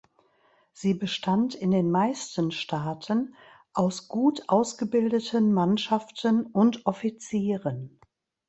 Sie bestand in den meisten Staaten aus gut ausgebildeten Mannschaften und Offizieren.